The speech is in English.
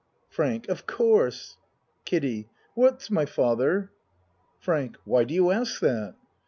FRANK Of course. KIDDIE What's my father? FRANK Why do you ask that?